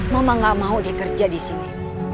mama gak mau dia kerja disini